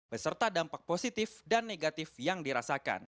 beserta dampak positif dan negatif yang dirasakan